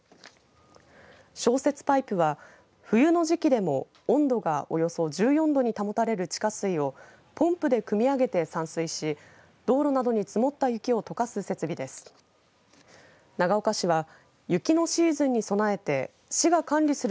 消雪パイプは冬の時期でも温度がおよそ１４度に保たれる地下水をポンプでくみ上げて散水し道路などに積もった雪をとかす設備です。